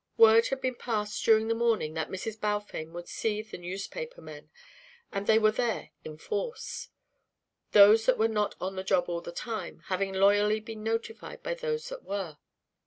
Word had been passed during the morning that Mrs. Balfame would see the newspaper men, and they were there in force; those that were not "on the job all the time" having loyally been notified by those that were.